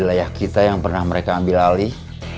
wilayah kita yang pernah mereka ambil alih